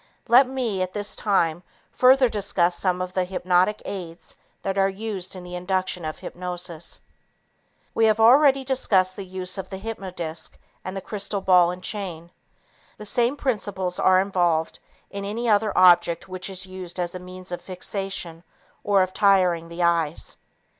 Let me, at this time, further discuss some of the hypnotic aids that are used in the induction of hypnosis. We have already discussed the use of the hypnodisc and crystal ball and chain. The same principles are involved in any other object which is used as a means of fixation or of tiring the eyes.